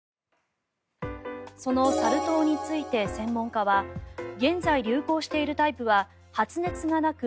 そのサル痘について専門家は現在流行しているタイプは発熱がなく